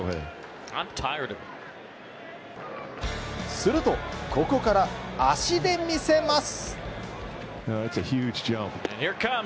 するとここから足でみせます。